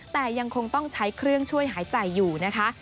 แต่ยังคงต้องใช้เครื่องช่วยหายใจอยู่นะคะ